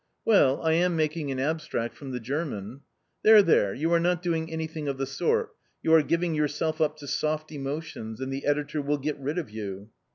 " Well, I am making an abstract from the German." " There, there, you are not doing anything of the sort, you are giving yourself up to * soft emotions,' and the editor will get rid of you."